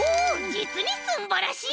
じつにすんばらしい。